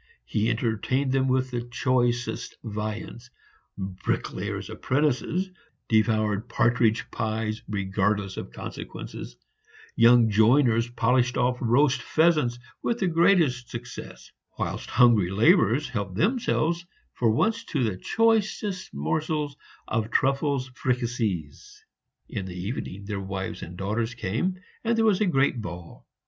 He entertained them with the choicest viands; bricklayers' apprentices devoured partridge pies regardless of consequences; young joiners polished off roast pheasants with the greatest success; whilst hungry laborers helped themselves for once to the choicest morsels of truffes fricassees. In the evening their wives and daughters came, and there was a great ball.